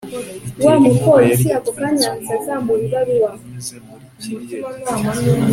bitera inkuba yari yatwitse umwobo munini unyuze muri kiriya giti